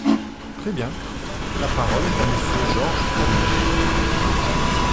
Très bien ! La parole est à Monsieur Georges Fenech.